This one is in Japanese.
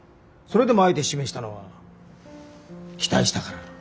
それでもあえて指名したのは期待したから。